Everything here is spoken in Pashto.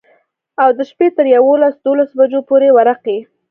او د شپي تر يوولس دولسو بجو پورې ورقې.